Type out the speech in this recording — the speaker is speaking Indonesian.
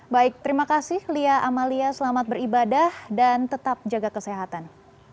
baik terima kasih lia amalia selamat beribadah dan tetap jaga kesehatan